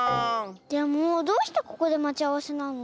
でもどうしてここでまちあわせなの？